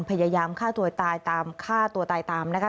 พยายามฆ่าตัวตายตามฆ่าตัวตายตามนะคะ